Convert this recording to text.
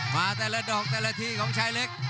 มาแต่ละดอกแต่ละทีของชายเล็ก